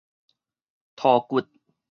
塗骨